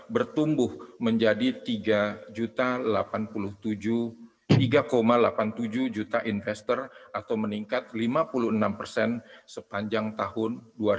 bertumbuh menjadi tiga delapan puluh tujuh tiga delapan puluh tujuh juta investor atau meningkat lima puluh enam persen sepanjang tahun dua ribu dua puluh